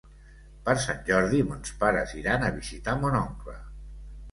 Per Sant Jordi mons pares iran a visitar mon oncle.